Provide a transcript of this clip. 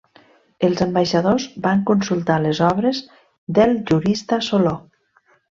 Els ambaixadors van consultar les obres del jurista Soló.